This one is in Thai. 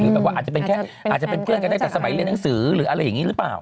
แบบว่าอาจจะเป็นแค่อาจจะเป็นเพื่อนกันได้แต่สมัยเรียนหนังสือหรืออะไรอย่างนี้หรือเปล่า